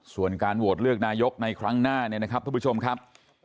ส่วนการโหวตเลือกนายกในครั้งหน้าทุกผู้ชมครับ